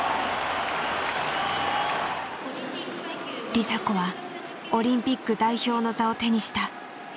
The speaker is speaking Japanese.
梨紗子はオリンピック代表の座を手にした。